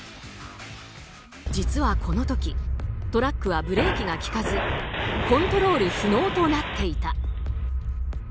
実は、このときトラックはブレーキが利かずコントロール不能となっていた。